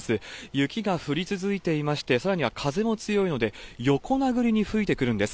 雪が降り続いていまして、さらには風も強いので、横殴りに吹いてくるんです。